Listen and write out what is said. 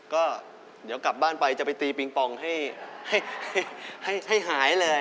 ก็เดี๋ยวกลับบ้านไปจะไปตีปิงปองให้หายเลย